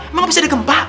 emang abis ada gempa